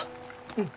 うん。